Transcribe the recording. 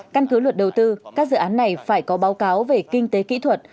căn cứ luật đầu tư các dự án này phải có báo cáo về kinh tế kỹ thuật